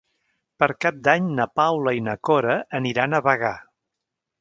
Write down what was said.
Per Cap d'Any na Paula i na Cora aniran a Bagà.